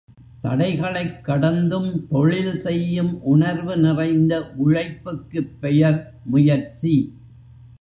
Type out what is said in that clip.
தடைகளைக் கடந்தும் தொழில் செய்யும் உணர்வு நிறைந்த உழைப்புக்குப் பெயர் முயற்சி.